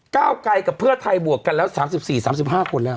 ก้าวไกลกับเพื่อไทยบวกกันแล้ว๓๔๓๕คนแล้ว